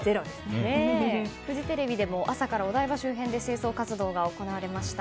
フジテレビでも朝からお台場周辺で清掃活動が行われました。